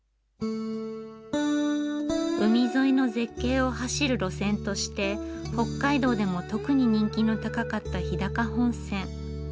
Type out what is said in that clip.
海沿いの絶景を走る路線として北海道でも特に人気の高かった日高本線。